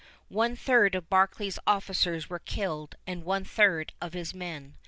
One third of Barclay's officers were killed and one third of his men.